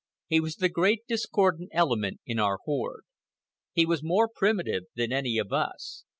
He was the great discordant element in our horde. He was more primitive than any of us.